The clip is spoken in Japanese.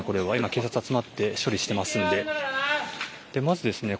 警察が集まって処理してますんで。